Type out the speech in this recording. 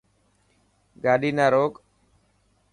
گاڏي نا روڪ.